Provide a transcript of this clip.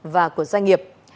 và của doanh nghiệp